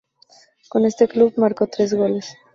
Con este club marcó tres goles.